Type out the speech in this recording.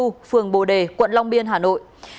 phường bồ đề quận long biên hà nội